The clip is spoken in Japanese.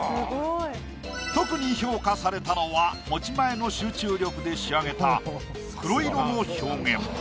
特に評価されたのは持ち前の集中力で仕上げた黒色の表現。